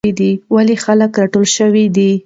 ولې خلک راټول شوي دي؟